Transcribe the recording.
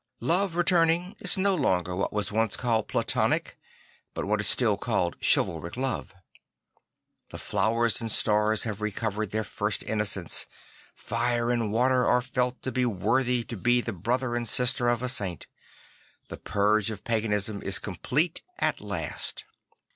Love returning is no longer what was once called platonic but wha t is still called chi valric love. The flowers and stars ha ve recovered their first innocence. Fire and water are felt to be worthy to be the brother and sister of a saint. The purge of paganism is complete at last.